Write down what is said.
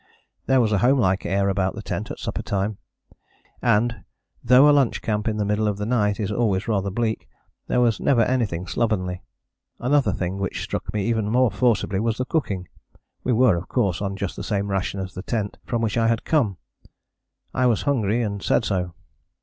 There was a homelike air about the tent at supper time, and, though a lunch camp in the middle of the night is always rather bleak, there was never anything slovenly. Another thing which struck me even more forcibly was the cooking. We were of course on just the same ration as the tent from which I had come. I was hungry and said so.